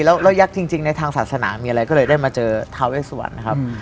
แล้วยักษ์จริงในทางศาสนามีอะไรก็เลยได้มาเจอทาเวสวรรค์นะครับ